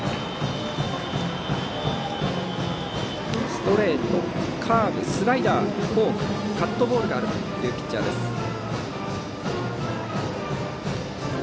ストレート、カーブスライダー、フォークカットボールがあるというピッチャーの花岡。